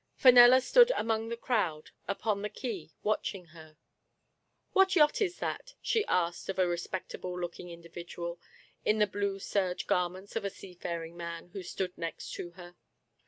Fenella stood among the crowd upon the quay watching her. " What yacht is that ?" she asked of a respect able looking individual, in the blue serge gar ments of a seafaring man, who stood next to her.